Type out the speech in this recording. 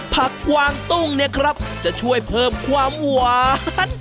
ผักกวางตุ้งเนี่ยครับจะช่วยเพิ่มความหวาน